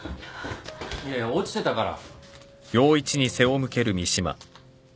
いやいや落ちてたから。